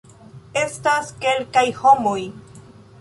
Estas kelkaj homoj